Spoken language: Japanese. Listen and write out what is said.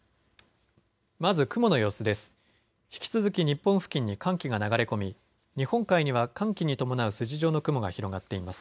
まず雲の様子です。